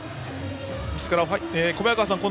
ですから、小早川さん